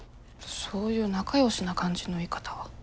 そういう仲よしな感じの言い方は。